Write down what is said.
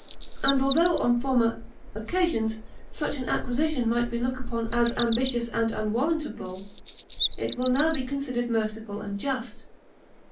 And, although, on former occasions, such an acquisition might be looked upon as ambitious and unwarrantable, it will now be considered merciful and just.